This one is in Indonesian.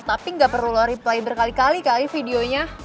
tapi gak perlu lo reply berkali kali videonya